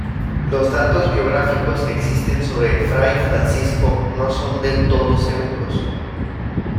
Los datos biográficos que existen sobre fray Francisco no son del todo seguros.